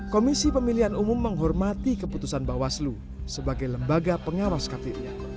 komisi pemilihan umum menghormati keputusan bawaslu sebagai lembaga pengawas kpu